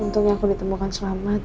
untungnya aku ditemukan selamat